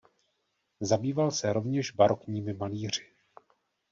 Zabýval se rovněž barokními malíři.